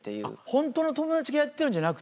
ホントの友達がやってるんじゃなくて。